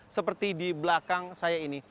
seperti di belakang saya ini